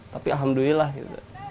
tapi alhamdulillah gitu